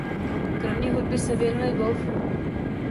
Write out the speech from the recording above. Kromě hudby se věnuje golfu.